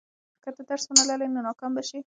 که ته درس ونه لولې، نو ناکام به شې.